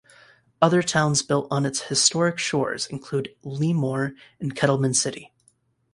Other towns built on its historic shores include Lemoore and Kettleman City.